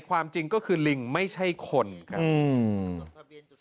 ความจริงก็คือลิงไม่ใช่คนครับ